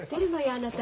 あなた。